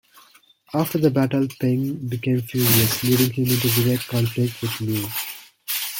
After the battle Peng became furious, leading him into direct conflict with Liu.